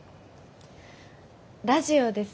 ラジオです。